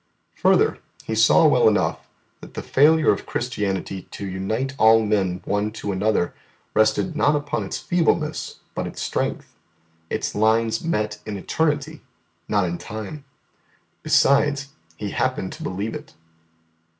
Further, He saw well enough that the failure of Christianity to unite all men one to another rested not upon its feebleness but its strength; its lines met in eternity, not in time. Besides, He happened to believe it.